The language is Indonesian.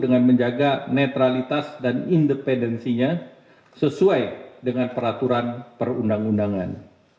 dengan menjaga netralitas dan independensinya sesuai dengan peraturan perundang undangan